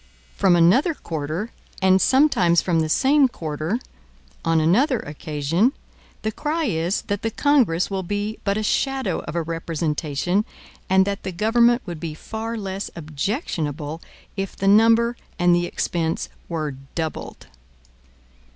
From another quarter, and sometimes from the same quarter, on another occasion, the cry is that the Congress will be but a shadow of a representation, and that the government would be far less objectionable if the number and the expense were doubled.